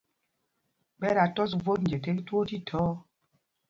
Ɓɛ dā tɔs vot nje tēk twóó thíthɔɔ.